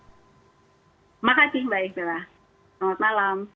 terima kasih mbak eva selamat malam